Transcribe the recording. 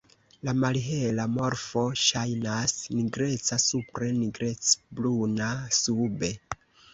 La malhela morfo ŝajnas nigreca supre, nigrecbruna sube.